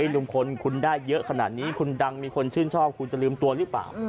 ลุงพลคุณได้เยอะขนาดนี้คุณดังมีคนชื่นชอบคุณจะลืมตัวหรือเปล่า